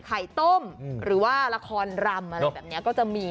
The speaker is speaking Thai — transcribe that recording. ไข่ต้มหรือว่าละครรำอะไรแบบนี้ก็จะมี